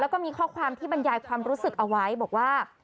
แล้วก็มีข้อความที่บรรยายความรู้สึกเอาไว้บอกว่า